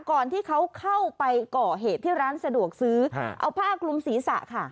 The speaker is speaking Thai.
ก่อนที่เขาเข้าไปก่อเหตุที่ร้านสะดวกซื้อเอาผ้าคลุมศีรษะค่ะ